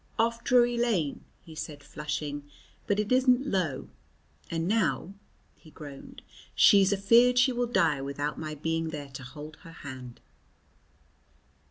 "Off Drury Lane," he said, flushing, "but it isn't low. And now," he groaned, "she's afeared she will die without my being there to hold her hand."